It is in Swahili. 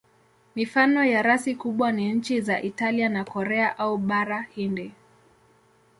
Mifano ya rasi kubwa ni nchi za Italia na Korea au Bara Hindi.